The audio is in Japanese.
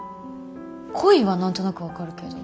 恋は何となく分かるけど。